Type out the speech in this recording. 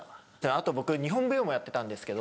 あと僕日本舞踊もやってたんですけど。